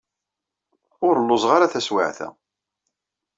Ur lluẓeɣ ara taswiɛt-a.